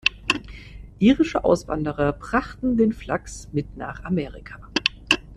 Irische Auswanderer brachten den Flachs mit nach Amerika.